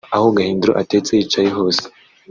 Aho Gahindiro atetse (yicaye hose)